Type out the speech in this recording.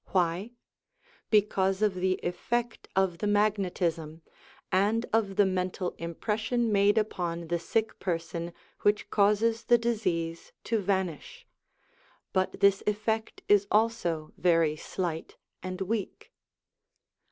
Why ? Because of the effect of the magnetism, and of the mental impression made upon the sick person which causes the disease to vanish. But this effect is also very slight and weak.